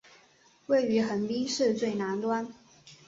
位于横滨市最南端。